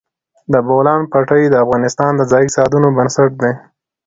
د بولان پټي د افغانستان د ځایي اقتصادونو بنسټ دی.